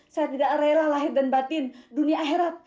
saya tidak rela lahir dan batin dunia akhirat